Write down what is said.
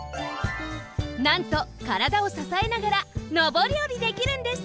なんとからだをささえながらのぼりおりできるんです！